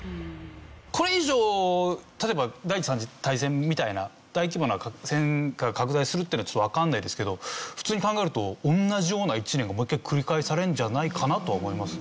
これ以上例えば第三次大戦みたいな大規模な拡大するっていうのはちょっとわかんないですけど普通に考えると同じような１年がもう一回繰り返されるんじゃないかなとは思います。